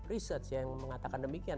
research yang mengatakan demikian